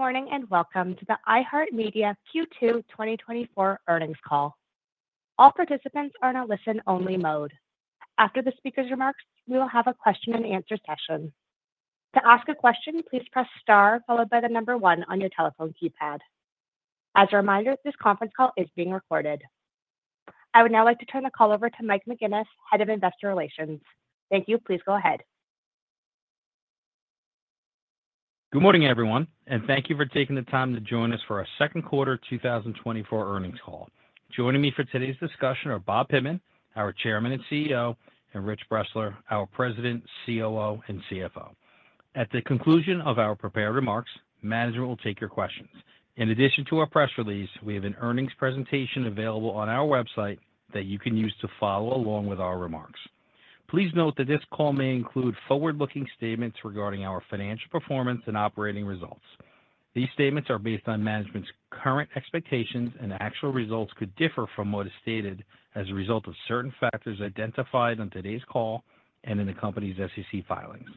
Good morning, and welcome to the iHeartMedia Q2 2024 earnings call. All participants are in a listen-only mode. After the speaker's remarks, we will have a question-and-answer session. To ask a question, please press star followed by the number one on your telephone keypad. As a reminder, this conference call is being recorded. I would now like to turn the call over to Mike McGuinness, Head of Investor Relations. Thank you. Please go ahead. Good morning, everyone, and thank you for taking the time to join us for our second quarter 2024 earnings call. Joining me for today's discussion are Bob Pittman, our Chairman and CEO, and Rich Bressler, our President, COO, and CFO. At the conclusion of our prepared remarks, management will take your questions. In addition to our press release, we have an earnings presentation available on our website that you can use to follow along with our remarks. Please note that this call may include forward-looking statements regarding our financial performance and operating results. These statements are based on management's current expectations, and actual results could differ from what is stated as a result of certain factors identified on today's call and in the company's SEC filings.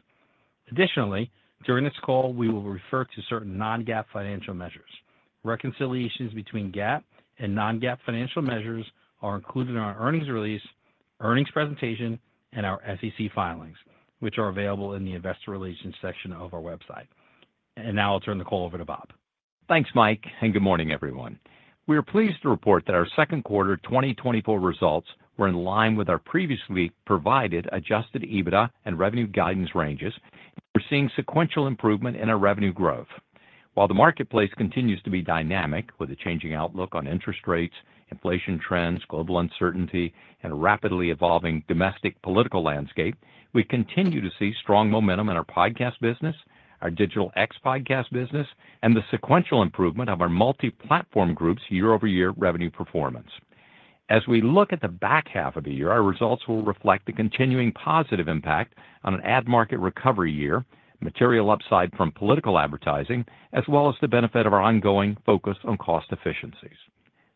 Additionally, during this call, we will refer to certain non-GAAP financial measures. Reconciliations between GAAP and non-GAAP financial measures are included in our earnings release, earnings presentation, and our SEC filings, which are available in the Investor Relations section of our website. Now I'll turn the call over to Bob. Thanks, Mike, and good morning, everyone. We are pleased to report that our second quarter 2024 results were in line with our previously provided Adjusted EBITDA and revenue guidance ranges. We're seeing sequential improvement in our revenue growth. While the marketplace continues to be dynamic, with a changing outlook on interest rates, inflation trends, global uncertainty, and a rapidly evolving domestic political landscape, we continue to see strong momentum in our podcast business, our digital and podcast business, and the sequential improvement of our Multiplatform Group's year-over-year revenue performance. As we look at the back half of the year, our results will reflect the continuing positive impact on an ad market recovery year, material upside from political advertising, as well as the benefit of our ongoing focus on cost efficiencies.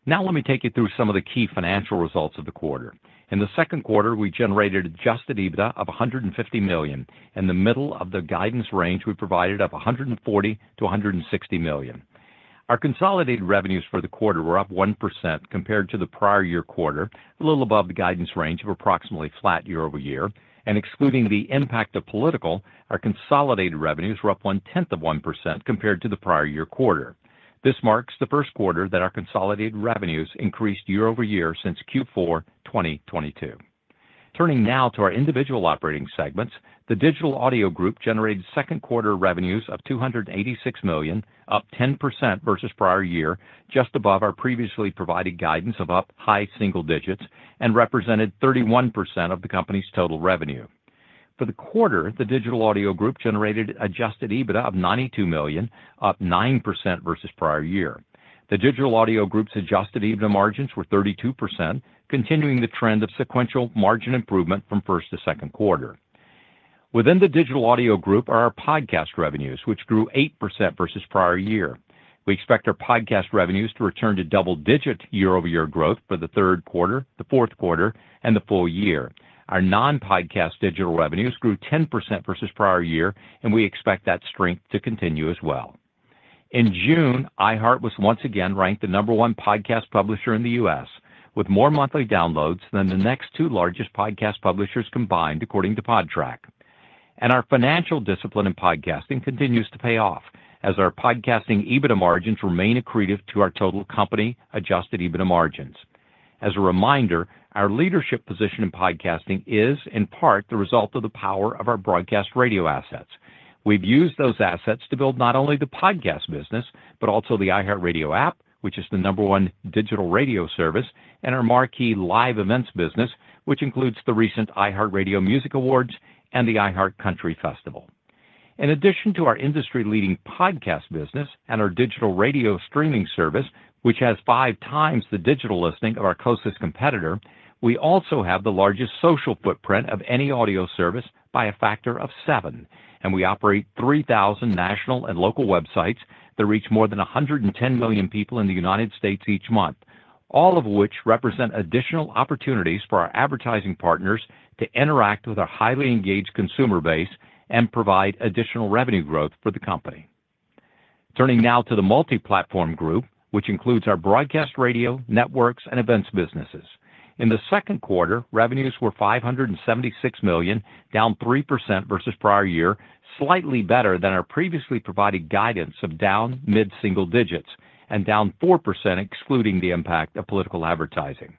Now, let me take you through some of the key financial results of the quarter. In the second quarter, we generated Adjusted EBITDA of $150 million in the middle of the guidance range we provided of $140 million-$160 million. Our consolidated revenues for the quarter were up 1% compared to the prior year quarter, a little above the guidance range of approximately flat year-over-year. Excluding the impact of political, our consolidated revenues were up 0.1% compared to the prior year quarter. This marks the first quarter that our consolidated revenues increased year-over-year since Q4 2022. Turning now to our individual operating segments, the Digital Audio Group generated second quarter revenues of $286 million, up 10% versus prior year, just above our previously provided guidance of up high single digits and represented 31% of the company's total revenue. For the quarter, the Digital Audio Group generated adjusted EBITDA of $92 million, up 9% versus prior year. The Digital Audio Group's adjusted EBITDA margins were 32%, continuing the trend of sequential margin improvement from first to second quarter. Within the Digital Audio Group are our podcast revenues, which grew 8% versus prior year. We expect our podcast revenues to return to double-digit year-over-year growth for the third quarter, the fourth quarter, and the full year. Our non-podcast digital revenues grew 10% versus prior year, and we expect that strength to continue as well. In June, iHeart was once again ranked the number one podcast publisher in the U.S., with more monthly downloads than the next two largest podcast publishers combined, according to PODTRAC. Our financial discipline in podcasting continues to pay off, as our podcasting EBITDA margins remain accretive to our total company adjusted EBITDA margins. As a reminder, our leadership position in podcasting is, in part, the result of the power of our broadcast radio assets. We've used those assets to build not only the podcast business, but also the iHeartRadio app, which is the number one digital radio service, and our marquee Live Events business, which includes the recent iHeartRadio Music Awards and the iHeartCountry Festival. In addition to our industry-leading podcast business and our digital radio streaming service, which has 5 times the digital listening of our closest competitor, we also have the largest social footprint of any audio service by a factor of 7, and we operate 3,000 national and local websites that reach more than 110 million people in the United States each month, all of which represent additional opportunities for our advertising partners to interact with our highly engaged consumer base and provide additional revenue growth for the company. Turning now to the Multi-Platform Group, which includes our broadcast radio, networks, and events businesses. In the second quarter, revenues were $576 million, down 3% versus prior year, slightly better than our previously provided guidance of down mid-single digits and down 4%, excluding the impact of political advertising.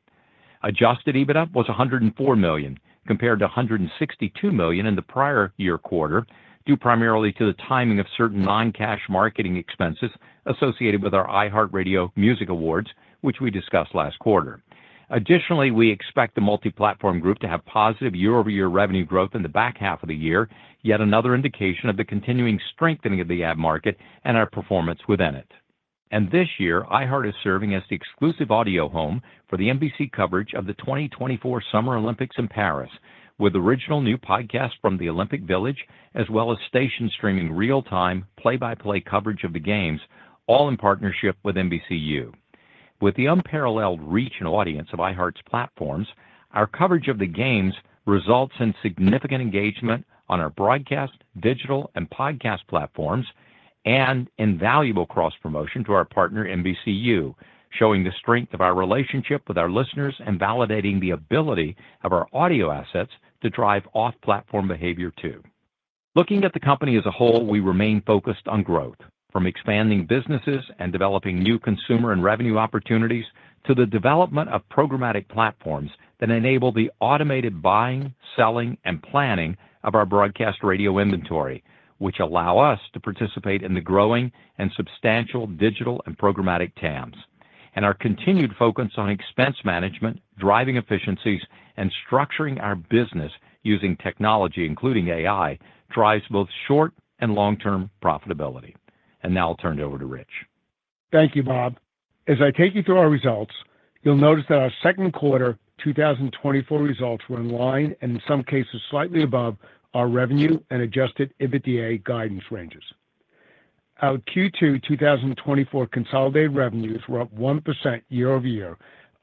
Adjusted EBITDA was $104 million, compared to $162 million in the prior year quarter, due primarily to the timing of certain non-cash marketing expenses associated with our iHeartRadio Music Awards, which we discussed last quarter. Additionally, we expect the Multi-Platform Group to have positive year-over-year revenue growth in the back half of the year, yet another indication of the continuing strengthening of the ad market and our performance within it. And this year, iHeart is serving as the exclusive audio home for the NBC coverage of the 2024 Summer Olympics in Paris, with original new podcasts from the Olympic Village, as well as station streaming real-time, play-by-play coverage of the games, all in partnership with NBCU.... With the unparalleled reach and audience of iHeart's platforms, our coverage of the games results in significant engagement on our broadcast, digital, and podcast platforms, and invaluable cross-promotion to our partner, NBCU, showing the strength of our relationship with our listeners and validating the ability of our audio assets to drive off-platform behavior, too. Looking at the company as a whole, we remain focused on growth, from expanding businesses and developing new consumer and revenue opportunities, to the development of programmatic platforms that enable the automated buying, selling, and planning of our broadcast radio inventory, which allow us to participate in the growing and substantial digital and programmatic TAMs. Our continued focus on expense management, driving efficiencies, and structuring our business using technology, including AI, drives both short- and long-term profitability. Now I'll turn it over to Rich. Thank you, Bob. As I take you through our results, you'll notice that our second quarter 2024 results were in line, and in some cases, slightly above our revenue and Adjusted EBITDA guidance ranges. Our Q2 2024 consolidated revenues were up 1% year-over-year,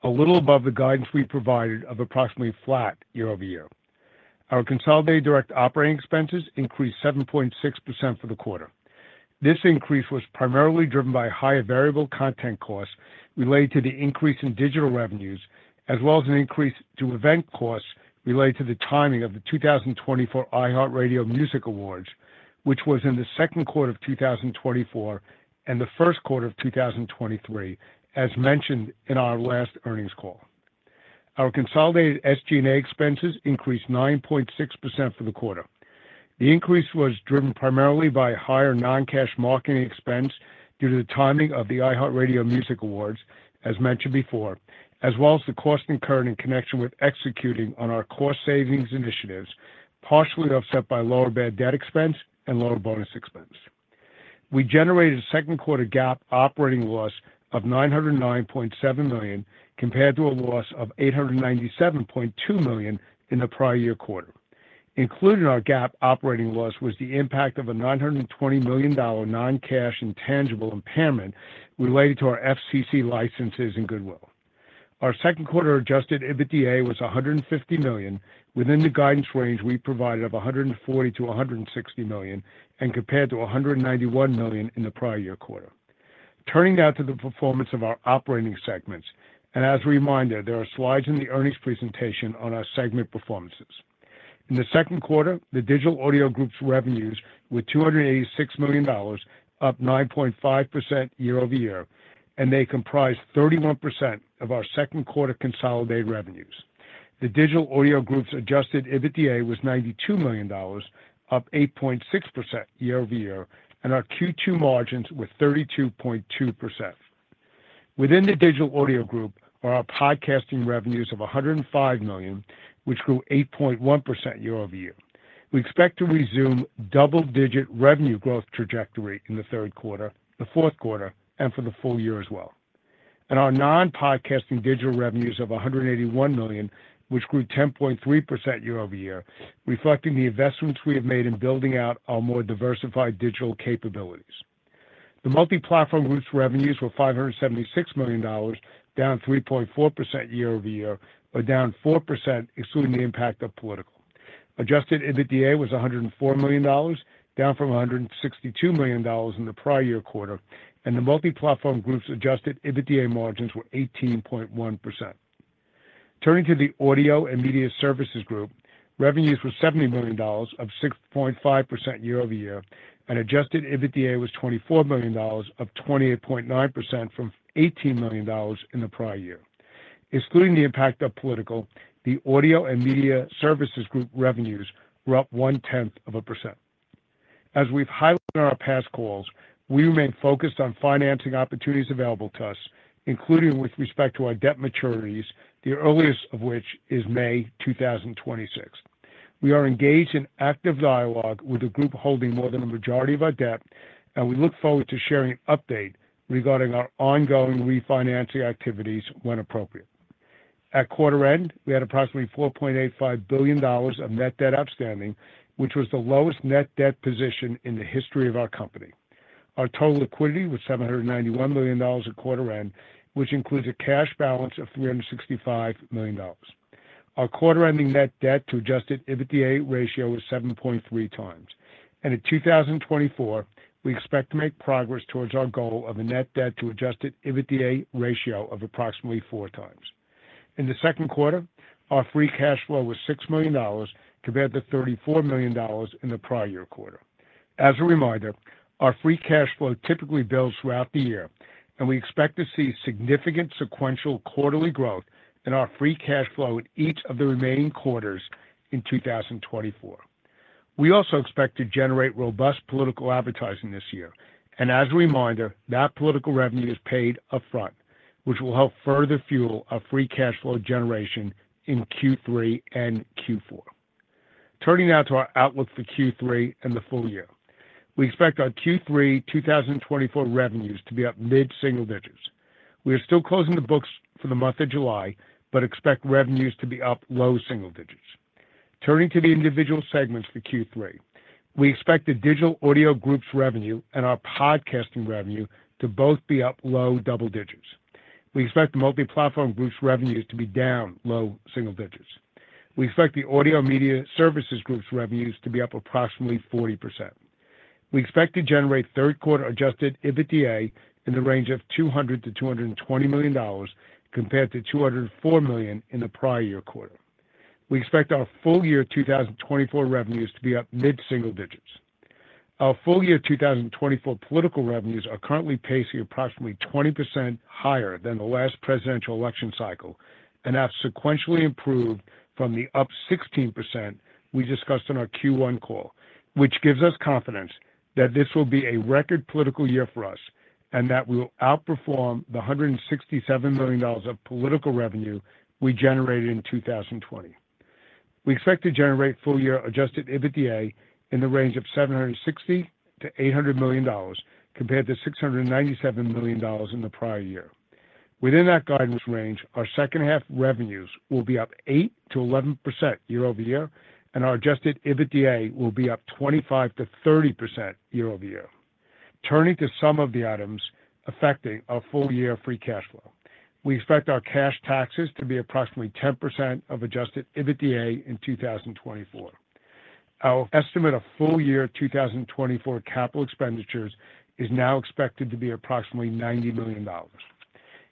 a little above the guidance we provided of approximately flat year-over-year. Our consolidated direct operating expenses increased 7.6% for the quarter. This increase was primarily driven by higher variable content costs related to the increase in digital revenues, as well as an increase to event costs related to the timing of the 2024 iHeartRadio Music Awards, which was in the second quarter of 2024 and the first quarter of 2023, as mentioned in our last earnings call. Our consolidated SG&A expenses increased 9.6% for the quarter. The increase was driven primarily by higher non-cash marketing expense due to the timing of the iHeartRadio Music Awards, as mentioned before, as well as the costs incurred in connection with executing on our cost savings initiatives, partially offset by lower bad debt expense and lower bonus expense. We generated a second quarter GAAP operating loss of $909.7 million, compared to a loss of $897.2 million in the prior year quarter. Included in our GAAP operating loss was the impact of a $920 million non-cash intangible impairment related to our FCC licenses and goodwill. Our second quarter adjusted EBITDA was $150 million, within the guidance range we provided of $140 million-$160 million, and compared to $191 million in the prior year quarter. Turning now to the performance of our operating segments, and as a reminder, there are slides in the earnings presentation on our segment performances. In the second quarter, the Digital Audio Group's revenues were $286 million, up 9.5% year-over-year, and they comprised 31% of our second quarter consolidated revenues. The Digital Audio Group's adjusted EBITDA was $92 million, up 8.6% year-over-year, and our Q2 margins were 32.2%. Within the Digital Audio Group, are our podcasting revenues of $105 million, which grew 8.1% year-over-year. We expect to resume double-digit revenue growth trajectory in the third quarter, the fourth quarter, and for the full year as well. Our non-podcasting digital revenues of $181 million, which grew 10.3% year-over-year, reflecting the investments we have made in building out our more diversified digital capabilities. The Multiplatform Group's revenues were $576 million, down 3.4% year-over-year, but down 4% excluding the impact of political. Adjusted EBITDA was $104 million, down from $162 million in the prior year quarter, and the Multiplatform Group's adjusted EBITDA margins were 18.1%. Turning to the Audio and Media Services Group, revenues were $70 million, up 6.5% year over year, and Adjusted EBITDA was $24 million, up 28.9% from $18 million in the prior year. Excluding the impact of political, the Audio and Media Services Group revenues were up 0.1%. As we've highlighted on our past calls, we remain focused on financing opportunities available to us, including with respect to our debt maturities, the earliest of which is May 2026. We are engaged in active dialogue with the group holding more than a majority of our debt, and we look forward to sharing an update regarding our ongoing refinancing activities when appropriate. At quarter end, we had approximately $4.85 billion of net debt outstanding, which was the lowest net debt position in the history of our company. Our total liquidity was $791 million at quarter end, which includes a cash balance of $365 million. Our quarter-ending net debt to Adjusted EBITDA ratio was 7.3 times, and in 2024, we expect to make progress towards our goal of a net debt to Adjusted EBITDA ratio of approximately 4 times. In the second quarter, our free cash flow was $6 million, compared to $34 million in the prior year quarter. As a reminder, our free cash flow typically builds throughout the year, and we expect to see significant sequential quarterly growth in our free cash flow in each of the remaining quarters in 2024. We also expect to generate robust political advertising this year, and as a reminder, that political revenue is paid upfront, which will help further fuel our free cash flow generation in Q3 and Q4. Turning now to our outlook for Q3 and the full year. We expect our Q3 2024 revenues to be up mid-single digits. We are still closing the books for the month of July, but expect revenues to be up low single digits. Turning to the individual segments for Q3, we expect the Digital Audio Group's revenue and our podcasting revenue to both be up low double digits. We expect the Multi-Platform Group's revenues to be down low single digits. We expect the Audio and Media Services Group's revenues to be up approximately 40%. We expect to generate third quarter Adjusted EBITDA in the range of $200 million-$220 million, compared to $204 million in the prior year quarter. We expect our full year 2024 revenues to be up mid-single digits. Our full year 2024 political revenues are currently pacing approximately 20% higher than the last presidential election cycle and have sequentially improved from the up 16% we discussed on our Q1 call, which gives us confidence that this will be a record political year for us and that we will outperform the $167 million of political revenue we generated in 2020. We expect to generate full year adjusted EBITDA in the range of $760 million-$800 million, compared to $697 million in the prior year. Within that guidance range, our second half revenues will be up 8%-11% year-over-year, and our adjusted EBITDA will be up 25%-30% year-over-year. Turning to some of the items affecting our full year free cash flow. We expect our cash taxes to be approximately 10% of adjusted EBITDA in 2024. Our estimate of full year 2024 capital expenditures is now expected to be approximately $90 million.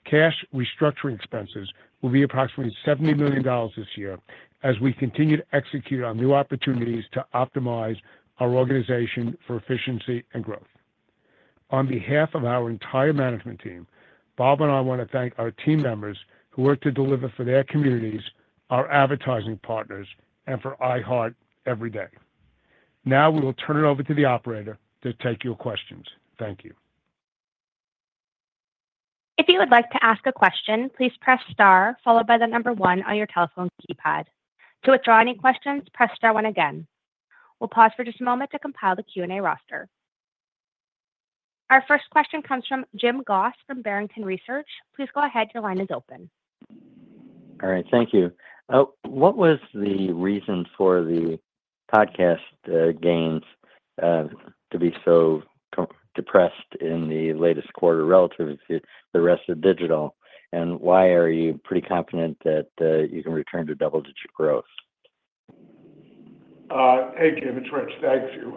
Cash restructuring expenses will be approximately $70 million this year as we continue to execute on new opportunities to optimize our organization for efficiency and growth. On behalf of our entire management team, Bob and I want to thank our team members who work to deliver for their communities, our advertising partners, and for iHeart every day. Now, we will turn it over to the operator to take your questions. Thank you. If you would like to ask a question, please press star, followed by the number one on your telephone keypad. To withdraw any questions, press star one again. We'll pause for just a moment to compile the Q&A roster. Our first question comes from Jim Goss from Barrington Research. Please go ahead. Your line is open. All right, thank you. What was the reason for the podcast gains to be so depressed in the latest quarter relative to the rest of digital? And why are you pretty confident that you can return to double-digit growth? Hey, Jim, it's Rich. Thank you.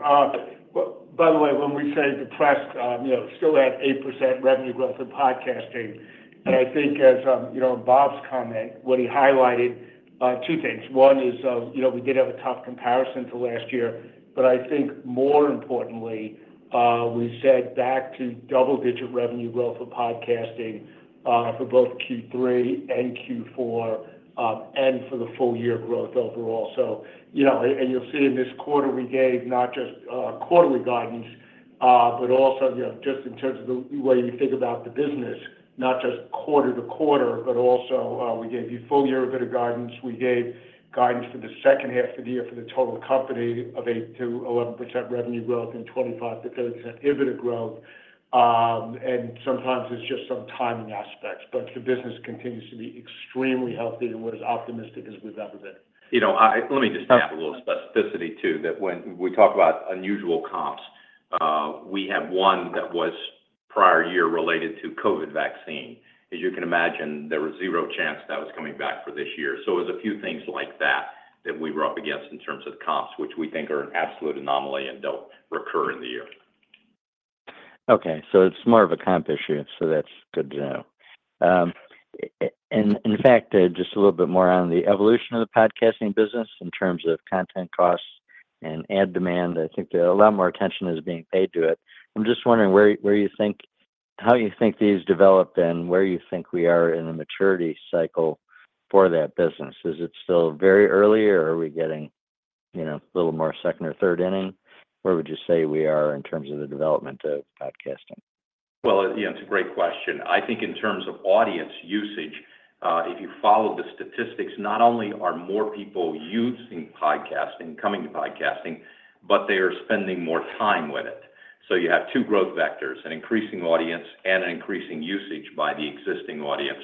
Well, by the way, when we say depressed, you know, still had 8% revenue growth in podcasting. And I think as, you know, Bob's comment, what he highlighted, two things. One is, you know, we did have a tough comparison to last year, but I think more importantly, we said back to double-digit revenue growth for podcasting, for both Q3 and Q4, and for the full year growth overall. So, you know, and you'll see in this quarter, we gave not just, quarterly guidance, but also, you know, just in terms of the way you think about the business, not just quarter to quarter, but also, we gave you full year EBITDA guidance. We gave guidance for the second half of the year for the total company of 8%-11% revenue growth and 25%-30% EBITDA growth. And sometimes it's just some timing aspects, but the business continues to be extremely healthy and we're as optimistic as we've ever been. You know, let me just add a little specificity, too, that when we talk about unusual comps, we have one that was prior year related to COVID vaccine. As you can imagine, there was zero chance that was coming back for this year. So it was a few things like that that we were up against in terms of comps, which we think are an absolute anomaly and don't recur in the year. Okay, so it's more of a comp issue, so that's good to know. And in fact, just a little bit more on the evolution of the podcasting business in terms of content costs and ad demand, I think that a lot more attention is being paid to it. I'm just wondering where you think how you think these develop and where you think we are in the maturity cycle for that business. Is it still very early, or are we getting, you know, a little more second or third inning? Where would you say we are in terms of the development of podcasting? Well, yeah, it's a great question. I think in terms of audience usage, if you follow the statistics, not only are more people using podcasting, coming to podcasting, but they are spending more time with it. So you have two growth vectors, an increasing audience and an increasing usage by the existing audience.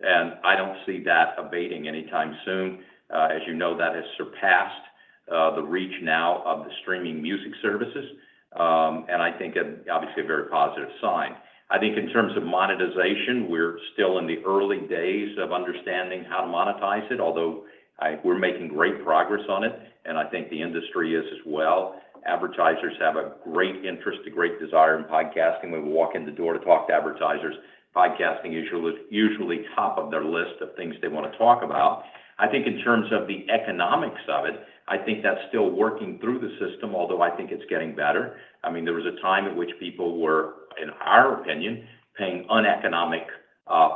And I don't see that abating anytime soon. As you know, that has surpassed the reach now of the streaming music services, and I think obviously a very positive sign. I think in terms of monetization, we're still in the early days of understanding how to monetize it, although we're making great progress on it, and I think the industry is as well. Advertisers have a great interest, a great desire in podcasting. When we walk in the door to talk to advertisers, podcasting usually, usually top of their list of things they want to talk about. I think in terms of the economics of it, I think that's still working through the system, although I think it's getting better. I mean, there was a time in which people were, in our opinion, paying uneconomic,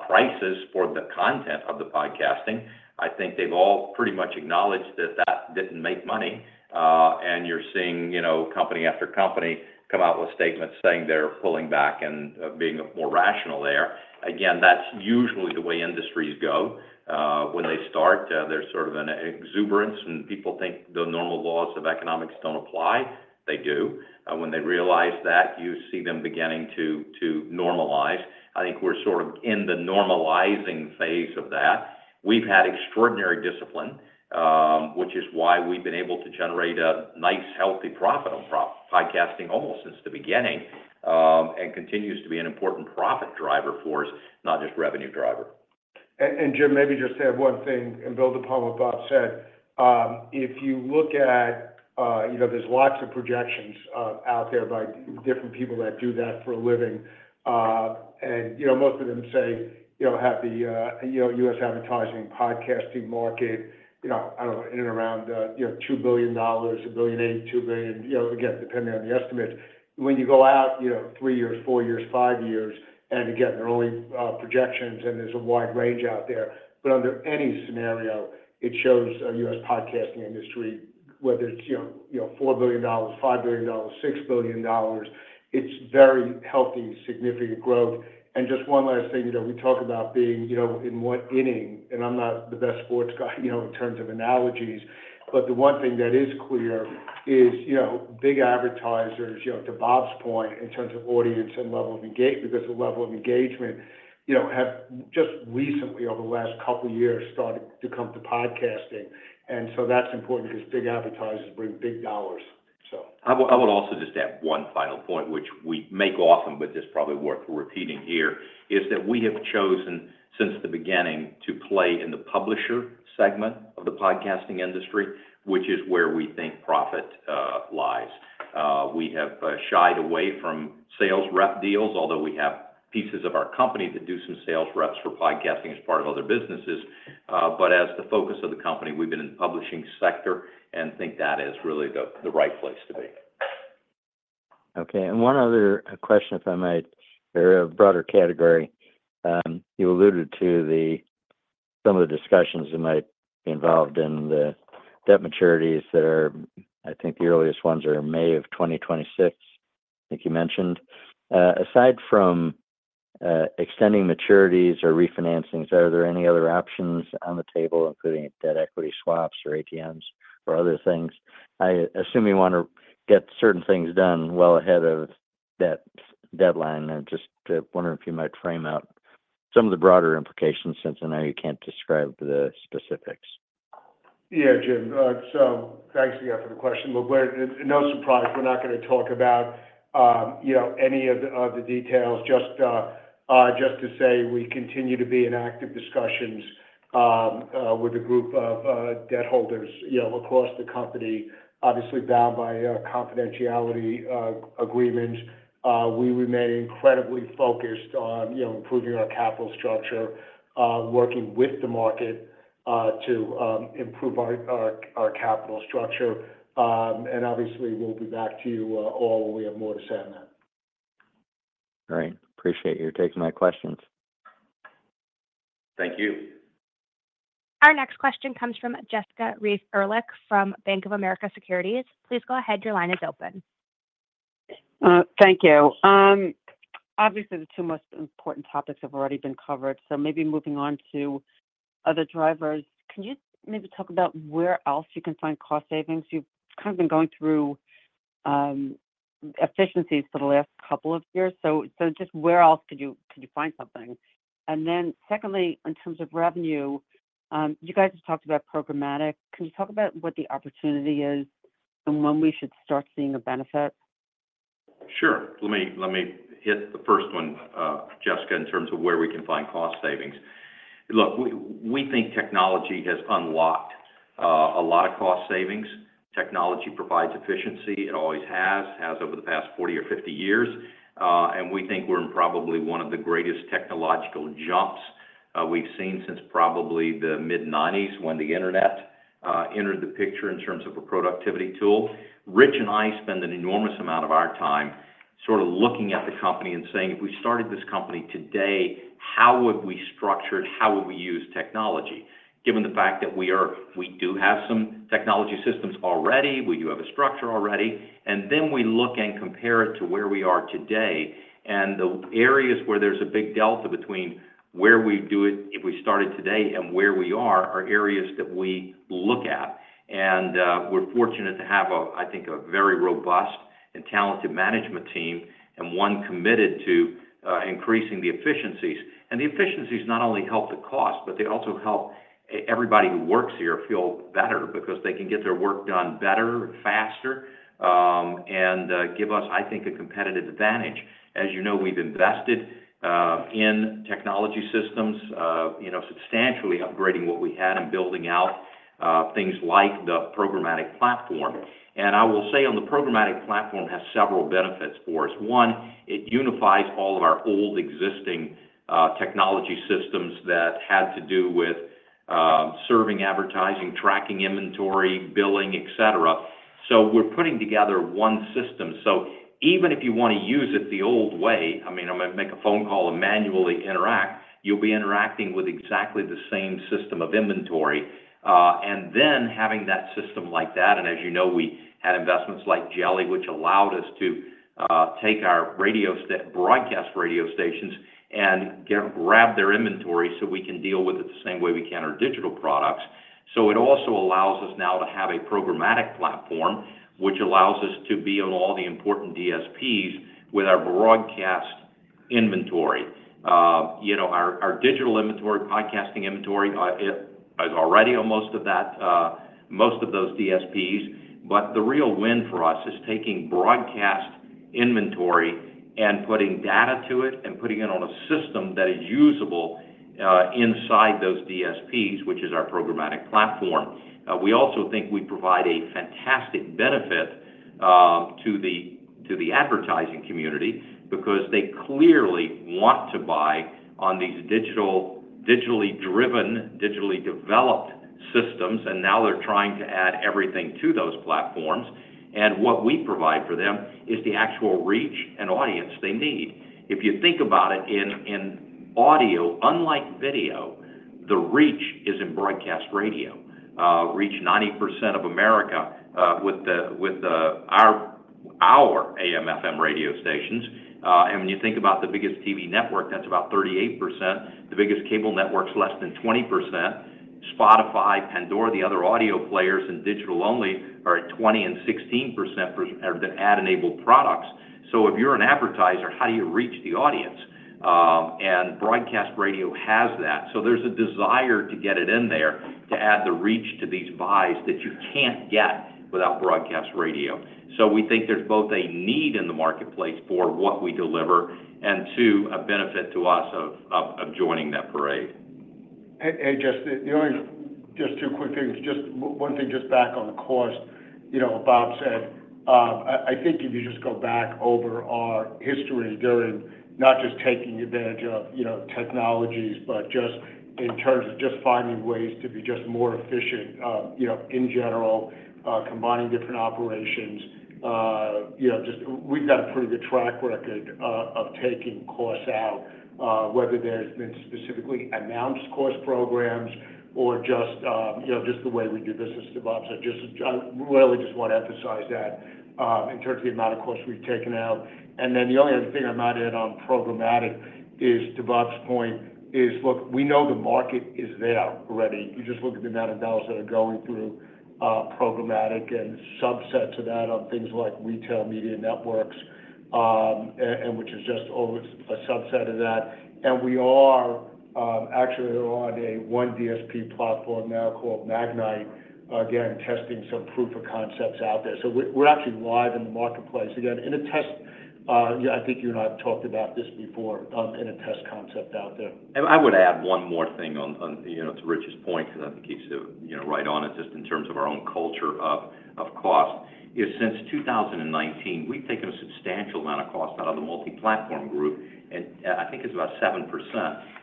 prices for the content of the podcasting. I think they've all pretty much acknowledged that that didn't make money, and you're seeing, you know, company after company come out with statements saying they're pulling back and, being more rational there. Again, that's usually the way industries go. When they start, there's sort of an exuberance, and people think the normal laws of economics don't apply. They do. When they realize that, you see them beginning to normalize. I think we're sort of in the normalizing phase of that... We've had extraordinary discipline, which is why we've been able to generate a nice, healthy profit on our podcasting almost since the beginning, and continues to be an important profit driver for us, not just revenue driver. Jim, maybe just to add one thing and build upon what Bob said. If you look at, you know, there's lots of projections out there by different people that do that for a living. You know, most of them say, you know, have the, you know, U.S. advertising podcasting market, you know, I don't know, in and around, you know, $2 billion, $1.08 billion, $2 billion, you know, again, depending on the estimates. When you go out, you know, three years, four years, five years, and again, they're only projections, and there's a wide range out there. But under any scenario, it shows a U.S. podcasting industry, whether it's, you know, you know, $4 billion, $5 billion, $6 billion, it's very healthy, significant growth. Just one last thing, you know, we talk about being, you know, in what inning, and I'm not the best sports guy, you know, in terms of analogies, but the one thing that is clear is, you know, big advertisers, you know, to Bob's point, in terms of audience and level of engagement, there's a level of engagement, you know, have just recently, over the last couple of years, started to come to podcasting, and so that's important because big advertisers bring big dollars, so. I would also just add one final point, which we make often, but it's probably worth repeating here, is that we have chosen, since the beginning, to play in the publisher segment of the podcasting industry, which is where we think profit lies. We have shied away from sales rep deals, although we have pieces of our company that do some sales reps for podcasting as part of other businesses. But as the focus of the company, we've been in publishing sector and think that is really the right place to be. Okay, and one other question, if I might, or a broader category. You alluded to some of the discussions that might be involved in the debt maturities that are, I think the earliest ones are in May of 2026, I think you mentioned. Aside from extending maturities or refinancings, are there any other options on the table, including debt equity swaps or ATMs or other things? I assume you want to get certain things done well ahead of that deadline. I'm just wondering if you might frame out some of the broader implications, since I know you can't describe the specifics. Yeah, Jim. So thanks again for the question. But, no surprise, we're not gonna talk about, you know, any of the details. Just to say we continue to be in active discussions with a group of debt holders, you know, across the company, obviously bound by confidentiality agreements. We remain incredibly focused on, you know, improving our capital structure, working with the market to improve our capital structure. And obviously, we'll be back to you all when we have more to say on that. Great. Appreciate you taking my questions. Thank you. Our next question comes from Jessica Reif Ehrlich from Bank of America Securities. Please go ahead. Your line is open. Thank you. Obviously, the two most important topics have already been covered, so maybe moving on to other drivers. Can you maybe talk about where else you can find cost savings? You've kind of been going through efficiencies for the last couple of years, so just where else could you find something? And then secondly, in terms of revenue, you guys have talked about programmatic. Can you talk about what the opportunity is and when we should start seeing a benefit? Sure. Let me, let me hit the first one, Jessica, in terms of where we can find cost savings. Look, we, we think technology has unlocked a lot of cost savings. Technology provides efficiency. It always has, has over the past 40 or 50 years. And we think we're in probably one of the greatest technological jumps we've seen since probably the mid-1990s, when the internet entered the picture in terms of a productivity tool. Rich and I spend an enormous amount of our time sort of looking at the company and saying: If we started this company today, how would we structure it? How would we use technology? Given the fact that we are, we do have some technology systems already, we do have a structure already, and then we look and compare it to where we are today. The areas where there's a big delta between where we do it, if we started today and where we are, are areas that we look at. We're fortunate to have, I think, a very robust and talented management team, and one committed to increasing the efficiencies. The efficiencies not only help the cost, but they also help everybody who works here feel better because they can get their work done better and faster, and give us, I think, a competitive advantage. As you know, we've invested in technology systems, you know, substantially upgrading what we had and building out things like the programmatic platform. I will say on the programmatic platform has several benefits for us. One, it unifies all of our old existing technology systems that had to do with serving, advertising, tracking, inventory, billing, et cetera. So we're putting together one system. So even if you want to use it the old way, I mean, I'm gonna make a phone call and manually interact, you'll be interacting with exactly the same system of inventory, and then having that system like that. And as you know, we had investments like Jelli, which allowed us to take our broadcast radio stations and grab their inventory, so we can deal with it the same way we can our digital products. So it also allows us now to have a programmatic platform, which allows us to be on all the important DSPs with our broadcast inventory. You know, our digital inventory, podcasting inventory, it is already on most of those DSPs. But the real win for us is taking broadcast inventory and putting data to it and putting it on a system that is usable inside those DSPs, which is our programmatic platform. We also think we provide a fantastic benefit to the advertising community because they clearly want to buy on these digitally driven, digitally developed systems, and now they're trying to add everything to those platforms. And what we provide for them is the actual reach and audience they need. If you think about it, in audio, unlike video, the reach is in broadcast radio. Reach 90% of America with our AM/FM radio stations. And when you think about the biggest TV network, that's about 38%. The biggest cable network's less than 20%. Spotify, Pandora, the other audio players in digital-only, are at 20% and 16% for the ad-enabled products. So if you're an advertiser, how do you reach the audience? And broadcast radio has that. So there's a desire to get it in there, to add the reach to these buys that you can't get without broadcast radio. So we think there's both a need in the marketplace for what we deliver, and two, a benefit to us of joining that parade. Hey, hey, just two quick things. Just one thing, just back on the cost, you know, Bob said. I think if you just go back over our history, not just taking advantage of, you know, technologies, but just in terms of just finding ways to be just more efficient, you know, in general, combining different operations, you know, just we've got a pretty good track record of taking costs out, whether there's been specifically announced cost programs or just, you know, just the way we do business, to Bob said. Just really just want to emphasize that, in terms of the amount of costs we've taken out. And then the only other thing I might add on programmatic is, to Bob's point, is, look, we know the market is there already. You just look at the amount of dollars that are going through programmatic and subsets of that on things like retail media networks, and which is just always a subset of that. And we are actually on a one DSP platform now called Magnite, again, testing some proof of concepts out there. So we're actually live in the marketplace. Again, in a test, I think you and I have talked about this before, in a test concept out there. I would add one more thing on, you know, to Rich's point, because I think he's, you know, right on it, just in terms of our own culture of cost, is since 2019, we've taken a substantial amount of cost out of the Multi-Platform Group, and I think it's about 7%,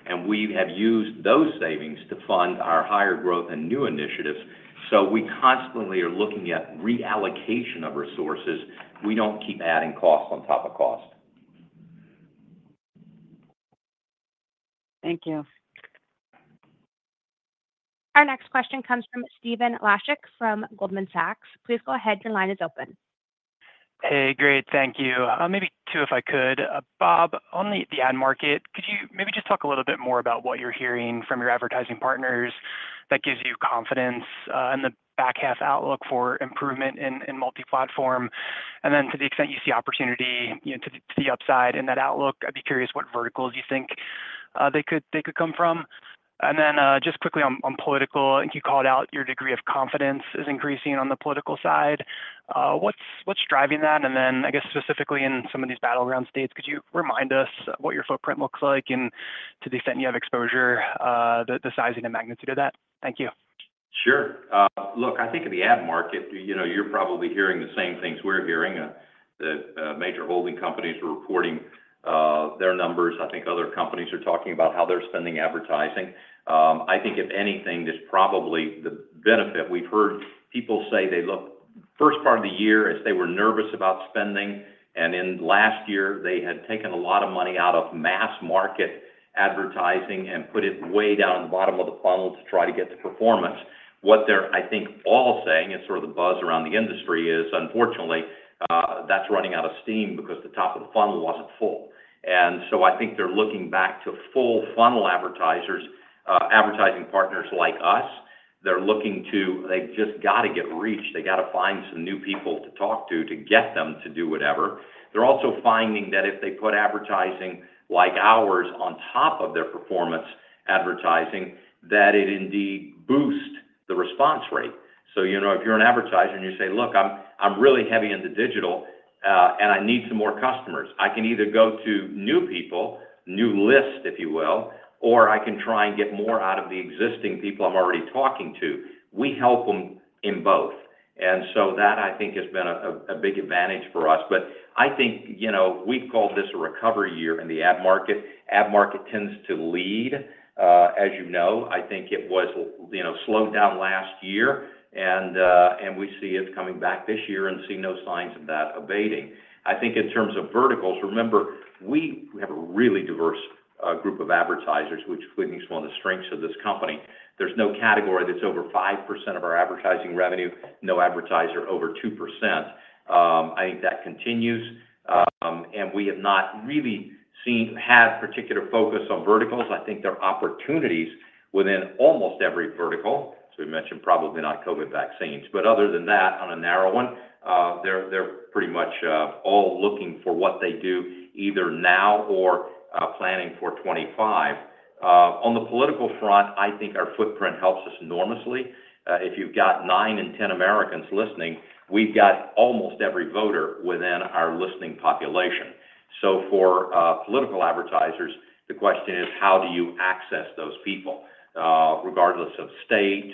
and we have used those savings to fund our higher growth and new initiatives. So we constantly are looking at reallocation of resources. We don't keep adding costs on top of cost. Thank you. Our next question comes from Stephen Laszczyk from Goldman Sachs. Please go ahead. Your line is open. Hey, great. Thank you. Maybe two, if I could. Bob, on the ad market, could you maybe just talk a little bit more about what you're hearing from your advertising partners that gives you confidence in the back half outlook for improvement in multi-platform? And then to the extent you see opportunity, you know, to the upside in that outlook, I'd be curious what verticals you think they could come from. And then just quickly on political, I think you called out your degree of confidence is increasing on the political side. What's driving that? And then, I guess, specifically in some of these battleground states, could you remind us what your footprint looks like, and to the extent you have exposure, the sizing and magnitude of that? Thank you. Sure. Look, I think in the ad market, you know, you're probably hearing the same things we're hearing. The major holding companies are reporting their numbers. I think other companies are talking about how they're spending advertising. I think if anything, there's probably the benefit. We've heard people say first part of the year is they were nervous about spending, and in last year, they had taken a lot of money out of mass market advertising and put it way down in the bottom of the funnel to try to get the performance. What they're, I think, all saying, and sort of the buzz around the industry is, unfortunately, that's running out of steam because the top of the funnel wasn't full. So I think they're looking back to full funnel advertisers, advertising partners like us. They're looking to... They've just got to get reach. They got to find some new people to talk to, to get them to do whatever. They're also finding that if they put advertising like ours on top of their performance advertising, that it indeed boost the response rate. So, you know, if you're an advertiser and you say, "Look, I'm really heavy into digital, and I need some more customers, I can either go to new people, new lists, if you will, or I can try and get more out of the existing people I'm already talking to." We help them in both. And so that, I think, has been a big advantage for us. But I think, you know, we've called this a recovery year in the ad market. Ad market tends to lead, as you know. I think it was, you know, slowed down last year, and, and we see it coming back this year and see no signs of that abating. I think in terms of verticals, remember, we have a really diverse, group of advertisers, which is one of the strengths of this company. There's no category that's over 5% of our advertising revenue, no advertiser over 2 percent.... I think that continues, and we have not really seen, had particular focus on verticals. I think there are opportunities within almost every vertical. So we mentioned probably not COVID vaccines, but other than that, on a narrow one, they're, they're pretty much, all looking for what they do either now or, planning for 2025. On the political front, I think our footprint helps us enormously. If you've got 9 in 10 Americans listening, we've got almost every voter within our listening population. So for political advertisers, the question is: How do you access those people regardless of state,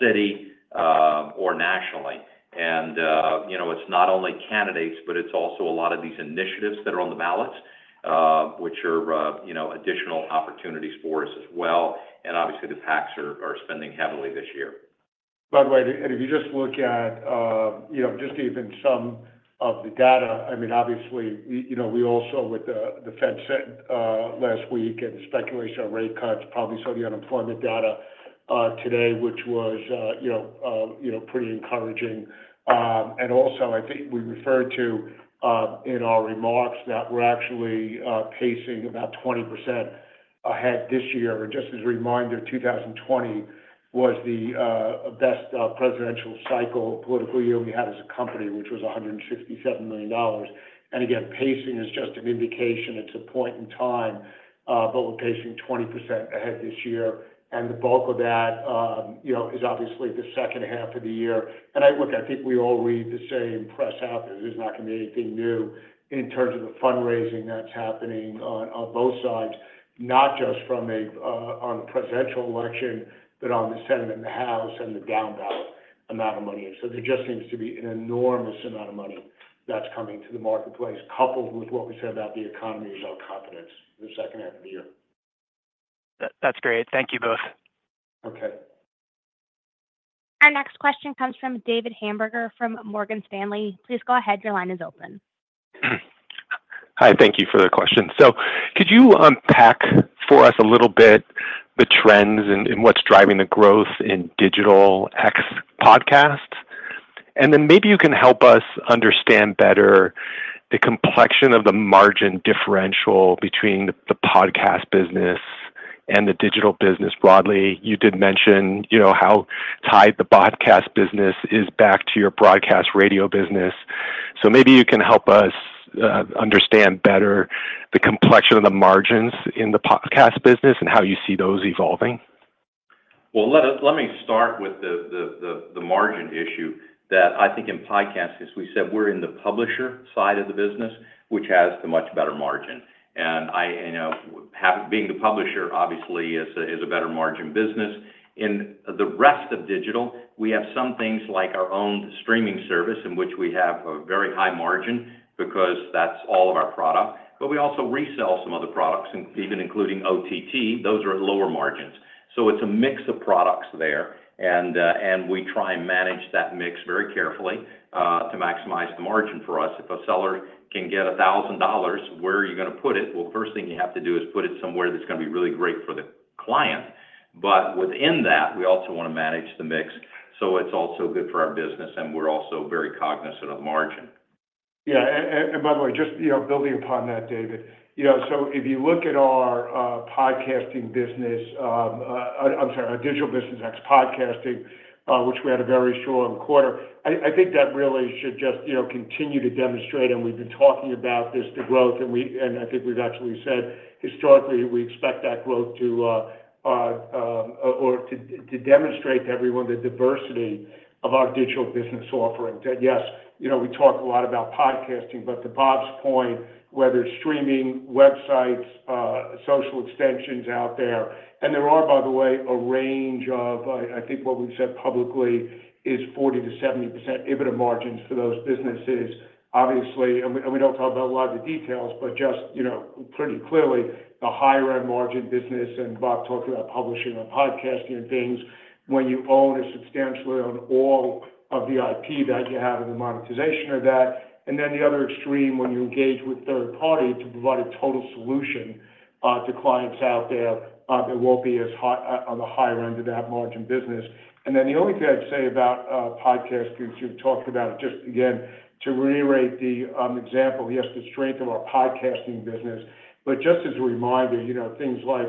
city, or nationally? And you know, it's not only candidates, but it's also a lot of these initiatives that are on the ballots, which are, you know, additional opportunities for us as well, and obviously, the PACs are spending heavily this year. By the way, and if you just look at, you know, just even some of the data, I mean, obviously, we, you know, we also with the, the Fed set, last week and speculation on rate cuts, probably saw the unemployment data, today, which was, you know, pretty encouraging. And also, I think we referred to, in our remarks that we're actually, pacing about 20% ahead this year. Just as a reminder, 2020 was the, best, presidential cycle, political year we had as a company, which was $167 million. And again, pacing is just an indication. It's a point in time, but we're pacing 20% ahead this year, and the bulk of that, you know, is obviously the second half of the year. I look, I think we all read the same press out there. There's not gonna be anything new in terms of the fundraising that's happening on, on both sides, not just from a, on the presidential election, but on the Senate and the House and the down ballot amount of money. There just seems to be an enormous amount of money that's coming to the marketplace, coupled with what we said about the economy is our confidence in the second half of the year. That's great. Thank you both. Okay. Our next question comes from David Hamburger from Morgan Stanley. Please go ahead. Your line is open. Hi, thank you for the question. So could you unpack for us a little bit the trends and what's driving the growth in digital and podcasts? And then maybe you can help us understand better the complexion of the margin differential between the podcast business and the digital business broadly. You did mention, you know, how tied the podcast business is back to your broadcast radio business. So maybe you can help us understand better the complexion of the margins in the podcast business and how you see those evolving. Well, let me start with the margin issue that I think in podcast, as we said, we're in the publisher side of the business, which has the much better margin. And I, you know, being the publisher, obviously, is a better margin business. In the rest of digital, we have some things like our own streaming service, in which we have a very high margin because that's all of our product, but we also resell some of the products and even including OTT, those are at lower margins. So it's a mix of products there, and we try and manage that mix very carefully to maximize the margin for us. If a seller can get $1,000, where are you gonna put it? Well, first thing you have to do is put it somewhere that's gonna be really great for the client. But within that, we also want to manage the mix, so it's also good for our business, and we're also very cognizant of margin. Yeah, and by the way, just, you know, building upon that, David. You know, so if you look at our podcasting business, I'm sorry, our digital business ex podcasting, which we had a very strong quarter, I think that really should just, you know, continue to demonstrate, and we've been talking about this, the growth, and I think we've actually said historically, we expect that growth to demonstrate to everyone the diversity of our digital business offerings. That, yes, you know, we talk a lot about podcasting, but to Bob's point, whether streaming, websites, social extensions out there, and there are, by the way, a range of, I think what we've said publicly is 40%-70% EBITDA margins for those businesses, obviously, and we don't talk about a lot of the details, but just, you know, pretty clearly the higher end margin business, and Bob talked about publishing on podcasting and things. When you own a substantially on all of the IP that you have in the monetization of that, and then the other extreme, when you engage with third party to provide a total solution to clients out there, it won't be as high on the higher end of that margin business. And then the only thing I'd say about podcasting, since you've talked about it, just again, to reiterate the example, yes, the strength of our podcasting business. But just as a reminder, you know, things like,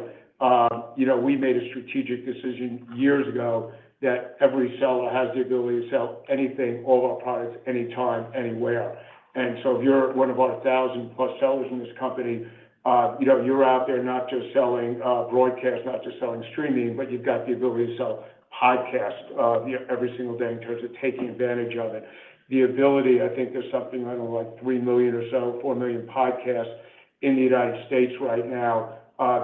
you know, we made a strategic decision years ago that every seller has the ability to sell anything, all of our products, anytime, anywhere. And so if you're one of about 1,000+ sellers in this company, you know, you're out there not just selling broadcast, not just selling streaming, but you've got the ability to sell podcast every single day in terms of taking advantage of it. The ability, I think there's something around like 3 million or so, 4 million podcasts in the United States right now.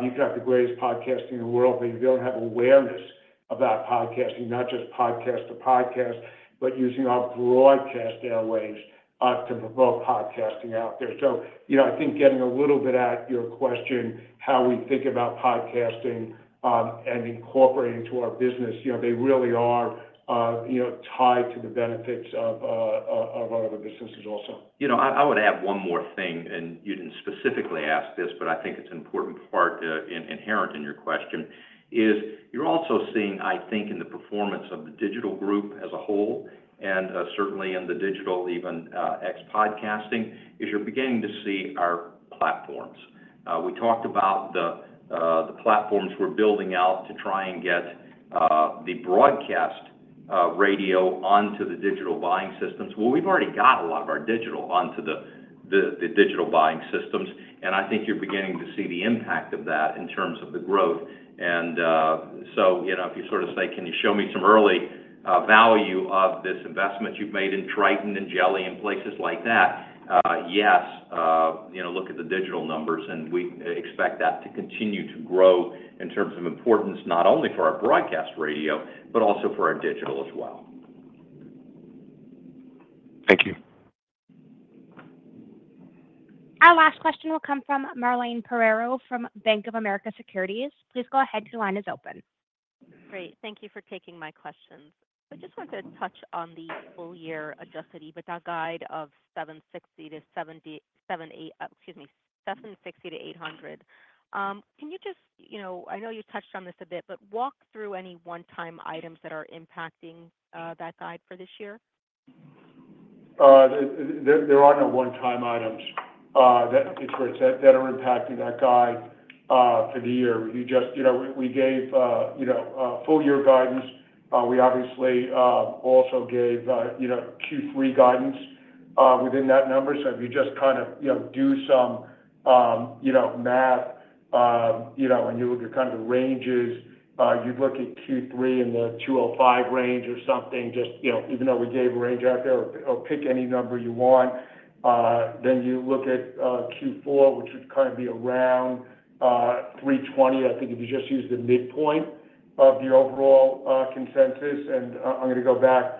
You've got the greatest podcasting in the world, but you don't have awareness about podcasting, not just podcast to podcast, but using our broadcast airwaves to promote podcasting out there. So you know, I think getting a little bit at your question, how we think about podcasting, and incorporating to our business, you know, they really are, you know, tied to the benefits of our other businesses also. You know, I, I would add one more thing, and you didn't specifically ask this, but I think it's an important part inherent in your question, is you're also seeing, I think, in the performance of the digital group as a whole, and certainly in the digital, even ex podcasting, is you're beginning to see our platforms.... We talked about the platforms we're building out to try and get the broadcast radio onto the digital buying systems. Well, we've already got a lot of our digital onto the digital buying systems, and I think you're beginning to see the impact of that in terms of the growth. And so, you know, if you sort of say, "Can you show me some early value of this investment you've made in Triton and Jelly and places like that?" Yes, you know, look at the digital numbers, and we expect that to continue to grow in terms of importance, not only for our broadcast radio, but also for our digital as well. Thank you. Our last question will come from Marlane Pereiro from Bank of America Securities. Please go ahead. Your line is open. Great. Thank you for taking my questions. I just wanted to touch on the full year Adjusted EBITDA guide of $760-$778, excuse me, $760-$800. Can you just, you know, I know you touched on this a bit, but walk through any one-time items that are impacting that guide for this year? There are no one-time items that are impacting that guide for the year. We just, you know, we gave, you know, full year guidance. We obviously also gave, you know, Q3 guidance within that number. So if you just kind of, you know, do some, you know, math, you know, and you look at kind of the ranges, you'd look at Q3 in the $205 range or something, just, you know, even though we gave a range out there, or pick any number you want. Then you look at Q4, which would kind of be around $320, I think, if you just use the midpoint of the overall consensus. I'm gonna go back,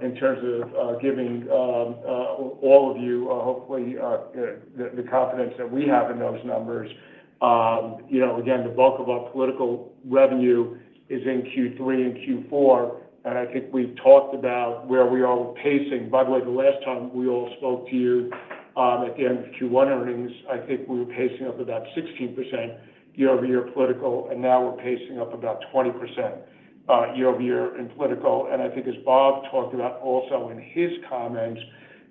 in terms of giving all of you, hopefully, the confidence that we have in those numbers. You know, again, the bulk of our political revenue is in Q3 and Q4, and I think we've talked about where we are with pacing. By the way, the last time we all spoke to you, at the end of Q1 earnings, I think we were pacing up about 16% year-over-year political, and now we're pacing up about 20% year-over-year in political. And I think as Bob talked about also in his comments,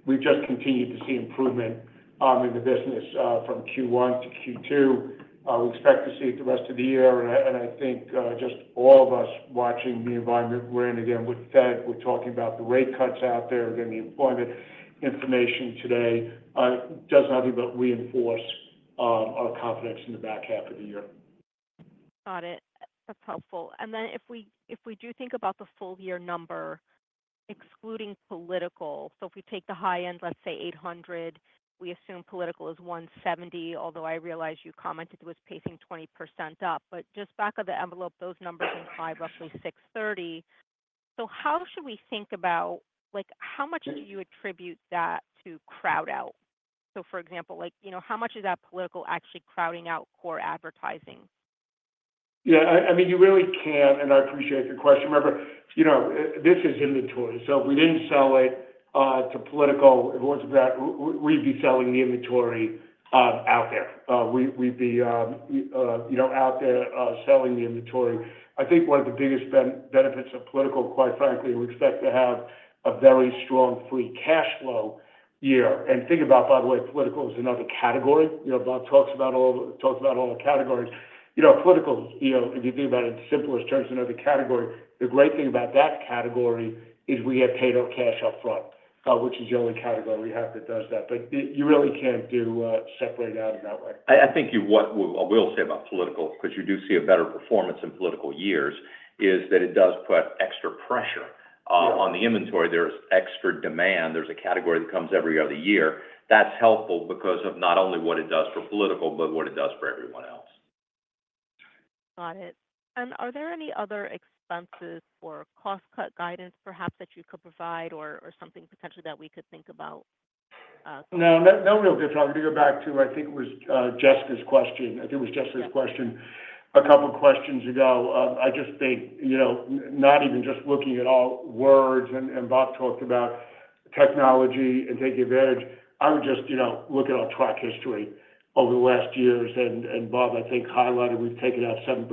we've just continued to see improvement in the business from Q1 to Q2. We expect to see it the rest of the year, and I, and I think just all of us watching the environment we're in, again, with Fed, we're talking about the rate cuts out there, and then the employment information today does nothing but reinforce our confidence in the back half of the year. Got it. That's helpful. And then if we, if we do think about the full year number, excluding political, so if we take the high end, let's say $800, we assume political is $170, although I realize you commented it was pacing 20% up. But just back of the envelope, those numbers imply roughly $630. So how should we think about... Like, how much do you attribute that to crowd out? So for example, like, you know, how much of that political actually crowding out core advertising? Yeah, I mean, you really can't, and I appreciate the question. Remember, you know, this is inventory, so if we didn't sell it to political, if it wasn't for that, we, we'd be selling the inventory out there. We, we'd be, you know, out there selling the inventory. I think one of the biggest benefits of political, quite frankly, we expect to have a very strong free cash flow year. Think about, by the way, political is another category. You know, Bob talks about all, talks about all the categories. You know, political, you know, if you think about it in simplest terms, another category. The great thing about that category is we get paid our cash upfront, which is the only category we have that does that. But you really can't separate it out in that way. I think what I will say about political, because you do see a better performance in political years, is that it does put extra pressure. Yeah... on the inventory. There's extra demand. There's a category that comes every other year. That's helpful because of not only what it does for political, but what it does for everyone else. Got it. And are there any other expenses or cost-cut guidance, perhaps, that you could provide or something potentially that we could think about? No, no, no real different. To go back to, I think it was, Jessica's question. I think it was Jessica's question- Yeah ... a couple questions ago. I just think, you know, not even just looking at all words, and, and Bob talked about technology and taking advantage. I would just, you know, look at our track history over the last years. And, and Bob, I think, highlighted we've taken out 7%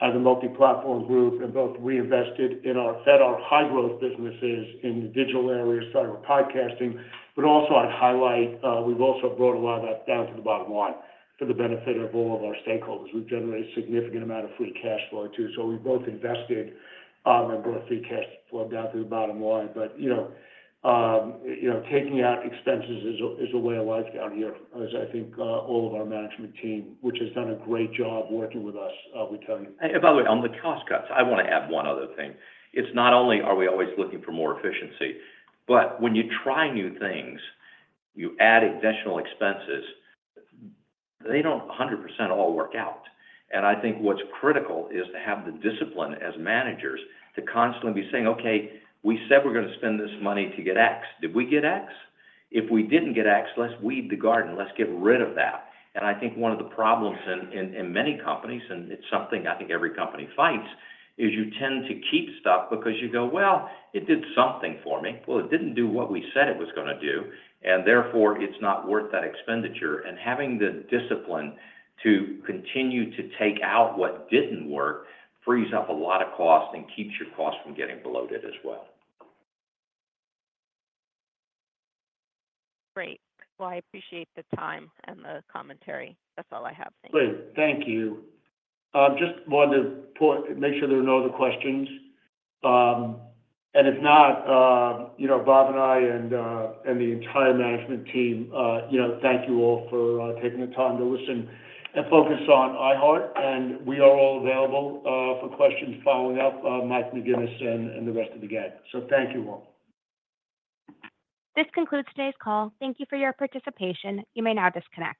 as a Multi-Platform Group, and both reinvested in our set, our high-growth businesses in the digital area, started with podcasting. But also I'd highlight, we've also brought a lot of that down to the bottom line for the benefit of all of our stakeholders. We've generated a significant amount of free cash flow, too. So we both invested, and brought free cash flow down to the bottom line. But, you know, you know, taking out expenses is a way of life down here, as I think all of our management team, which has done a great job working with us, we tell you. By the way, on the cost cuts, I wanna add one other thing. It's not only are we always looking for more efficiency, but when you try new things, you add additional expenses. They don't 100% all work out. And I think what's critical is to have the discipline as managers to constantly be saying, "Okay, we said we're gonna spend this money to get X. Did we get X? If we didn't get X, let's weed the garden. Let's get rid of that." And I think one of the problems in many companies, and it's something I think every company fights, is you tend to keep stuff because you go, "Well, it did something for me." Well, it didn't do what we said it was gonna do, and therefore, it's not worth that expenditure. Having the discipline to continue to take out what didn't work, frees up a lot of cost and keeps your cost from getting bloated as well. Great. Well, I appreciate the time and the commentary. That's all I have. Thank you. Great. Thank you. Just wanted to make sure there are no other questions. And if not, you know, Bob and I and the entire management team, you know, thank you all for taking the time to listen and focus on iHeart, and we are all available for questions following up, Mike McGuinness and the rest of the gang. So thank you all. This concludes today's call. Thank you for your participation. You may now disconnect.